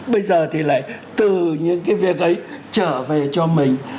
bây giờ thì lại từ những cái việc ấy trở về cho mình